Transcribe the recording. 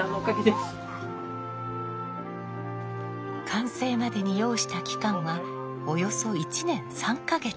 完成までに要した期間はおよそ１年３か月。